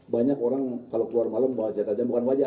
banyak orang kalau keluar malam bahwa senjata tajam bukan wajar